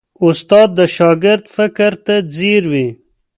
استاد د شاګرد فکر ته ځیر وي.